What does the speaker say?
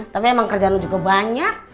tapi emang kerja lo juga banyak